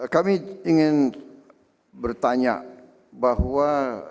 kami ingin bertanya bahwa